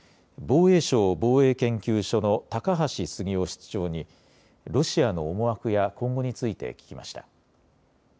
防衛省防衛研究所の高橋杉雄室長にロシアの思惑や今後について聞きました。